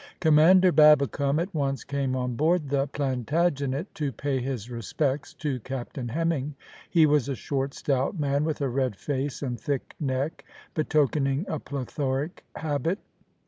Commander Babbicome at once came on board the Plantagenet to pay his respects to Captain Hemming. He was a short, stout man, with a red face and thick neck, betokening a plethoric habit.